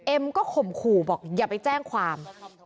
ก็ข่มขู่บอกอย่าไปแจ้งความ